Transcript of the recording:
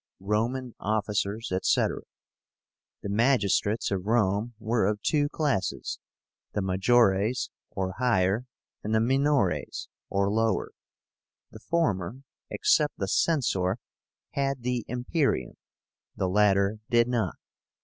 ROMAN OFFICERS, ETC. The magistrates of Rome were of two classes; the Majores, or higher, and the Minores, or lower. The former, except the Censor, had the Imperium; the latter did not.